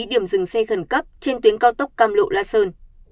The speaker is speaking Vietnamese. điểm dừng xe khẩn cấp trên tuyến cao tốc cam lộ la sơn